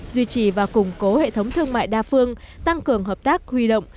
duy trì và củng cố hệ thống thương mại đa phương tăng cường hợp tác huy động